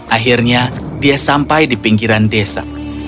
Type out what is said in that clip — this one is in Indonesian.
akhirnya dia sampai di pinggiran desa